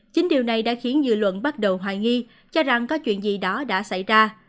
chính điều này đã khiến dư luận bắt đầu hoài nghi cho rằng có chuyện gì đó đã xảy ra